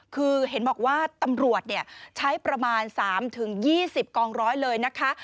คือเห็นบอกว่าตำรวจใช้ประมาณ๓๒๐กองร้อยเลยนะคะ